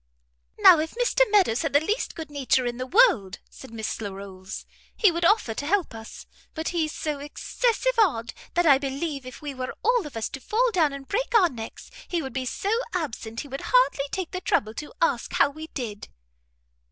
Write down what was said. "Now if Mr Meadows had the least good nature in the world," said Miss Larolles, "he would offer to help us; but he's so excessive odd, that I believe if we were all of us to fall down and break our necks, he would be so absent he would hardly take the trouble to ask us how we did."